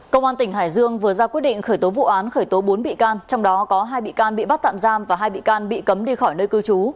công an tỉnh hải dương vừa ra quyết định khởi tố vụ án khởi tố bốn bị can trong đó có hai bị can bị bắt tạm giam và hai bị can bị cấm đi khỏi nơi cư trú